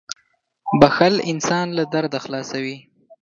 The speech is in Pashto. • بښل انسان له درده خلاصوي.